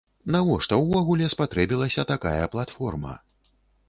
Навошта ўвогуле спатрэбілася такая платформа?